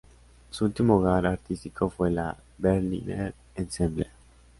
Su último hogar artístico fue la Berliner Ensemble.